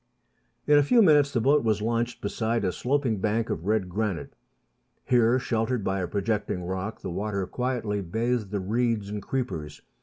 In a few minutes the boat was launched beside a sloping bank of red granite. Here, sheltered by a projecting rock, the water quietly bathed the reeds and creepers.